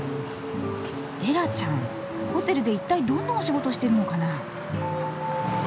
エラちゃんホテルで一体どんなお仕事してるのかな？